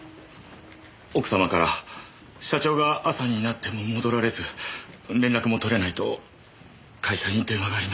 奥様から社長が朝になっても戻られず連絡も取れないと会社に電話がありまして。